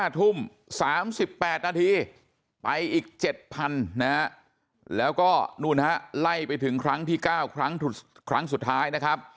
๕ทุ่ม๓๘นาทีไปอีก๗๐๐นะฮะแล้วก็นู่นฮะไล่ไปถึงครั้งที่๙ครั้งสุดท้ายนะครับ